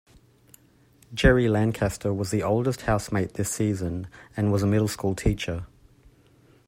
Gerry Lancaster was the oldest housemate this season, and was a middle school teacher.